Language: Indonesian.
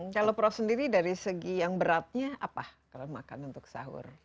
kalau prof sendiri dari segi yang beratnya apa kalau makan untuk sahur